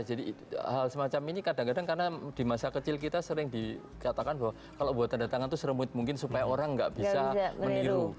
jadi hal semacam ini kadang kadang karena di masa kecil kita sering dikatakan bahwa kalau buat tanda tangan itu seremut mungkin supaya orang nggak bisa meniru